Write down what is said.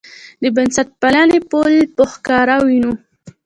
د بنسټپالنې پل په ښکاره ووینو.